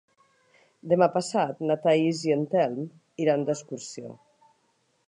Demà passat na Thaís i en Telm iran d'excursió.